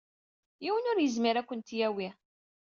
Yiwen ur yezmir ad kent-yawi.